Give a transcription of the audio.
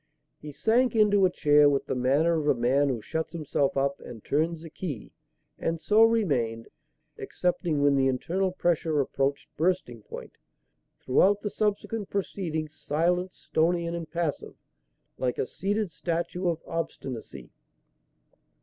He sank into a chair with the manner of a man who shuts himself up and turns the key; and so remained excepting when the internal pressure approached bursting point throughout the subsequent proceedings, silent, stony and impassive, like a seated statue of Obstinacy.